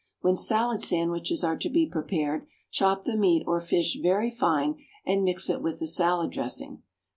When salad sandwiches are to be prepared, chop the meat or fish very fine and mix it with the salad dressing.